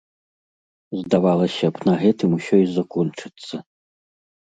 Здавалася б, на гэтым усё і закончыцца.